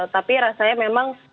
tapi rasanya memang